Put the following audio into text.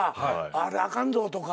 あれあかんぞとか。